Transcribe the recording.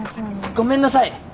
ごめんなさい！